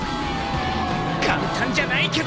簡単じゃないけど。